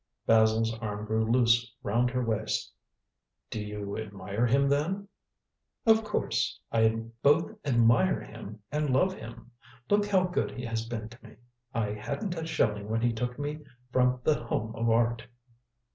Basil's arm grew loose round her waist. "Do you admire him, then?" "Of course. I both admire him and love him. Look how good he has been to me. I hadn't a shilling when he took me from The Home of Art."